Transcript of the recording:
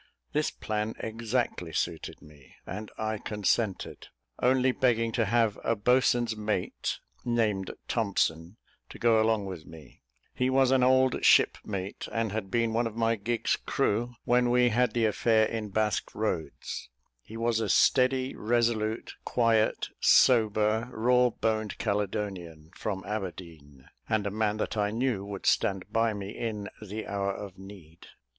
This plan exactly suited me, and I consented, only begging to have a boatswain's mate, named Thompson, to go along with me; he was an old shipmate, and had been one of my gig's crew when we had the affair in Basque Roads; he was a steady, resolute, quiet, sober, raw boned Caledonian, from Aberdeen, and a man that I knew would stand by me in the hour of need.